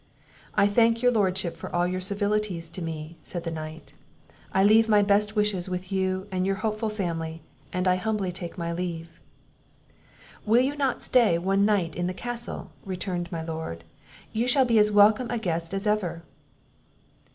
"I thank your Lordship for all your civilities to me," said the knight; "I leave my best wishes with you and your hopeful family, and I humbly take my leave." "Will you not stay one night in the castle?" returned my Lord; "you shall be as welcome a guest as ever."